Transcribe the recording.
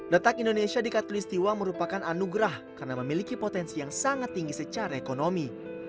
letak indonesia di katolistiwa merupakan anugerah karena memiliki potensi yang sangat tinggi secara ekonomi